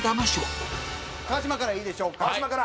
川島からいいでしょうか？